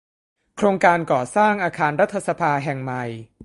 โครงการก่อสร้างอาคารรัฐสภาแห่งใหม่